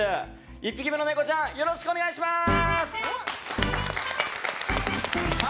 １匹目のネコちゃんよろしくお願いします！